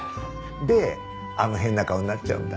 であの変な顔になっちゃうんだ。